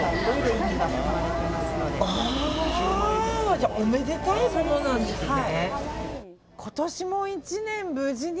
じゃあおめでたいものなんですね。